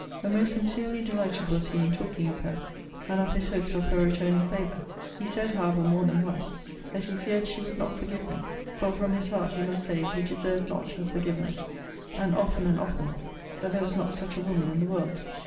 But most sincerely delighted was he in talking of her; and of his hopes of her returning favour. He said, however, more than once, that he feared she would not forgive him; for, from his heart, he must say, he deserved not her forgiveness: and often and often, that there was not such a woman in the world.